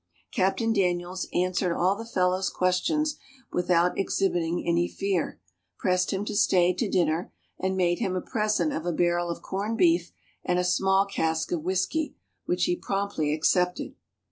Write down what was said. Captain Daniels answered all the fellow's questions without exhibiting any fear, pressed him to stay to dinner and made him a present of a barrel of corned beef and a small cask of whisky, which he promptly accepted.